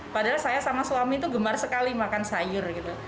padahal saya sama suami itu gemar sekali makan sayur gitu